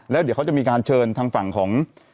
แล้วเดี๋ยวเขาจะมีการเชิญทางฝั่งของ